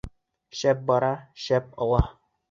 Шәп бара, шәп ала!